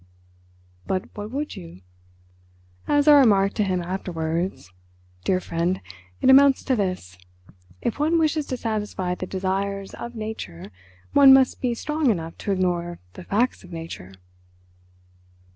But what would you? As I remarked to him afterwards—dear friend, it amounts to this: if one wishes to satisfy the desires of nature one must be strong enough to ignore the facts of nature....